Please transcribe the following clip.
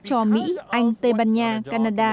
cho mỹ anh tây ban nha canada